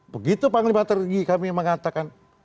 begitu panglima tertinggi kami mengatakan